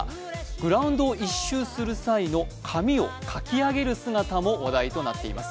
グラウンドを１周する際の髪をかき上げる姿も話題となっています。